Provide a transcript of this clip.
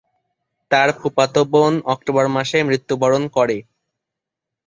তার ফুফাতো বোন অক্টোবর মাসে মৃত্যুবরণ করে।